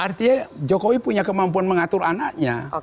artinya jokowi punya kemampuan mengatur anaknya